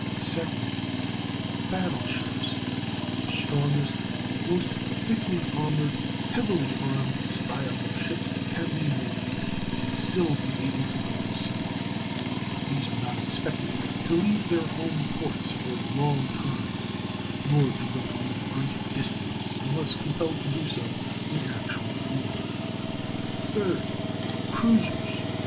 Second, battle ships—the strongest, most thickly armored, heavily armed style of ships that can be made, and still be able to go to sea; but these are not expected to leave their home ports for a long time, nor to go to any great distance unless compelled to do so in actual war. Third, cruisers.